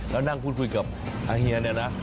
แล้วนั่งพูดคุยกับเหงียวนี่นะ